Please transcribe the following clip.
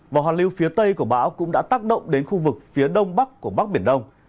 và hoàn lưu phía tây của bão cũng đã tác động đến khu vực phía đông bắc của bắc biển đông